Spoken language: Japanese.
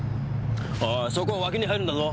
おいそこ脇に入るんだぞ。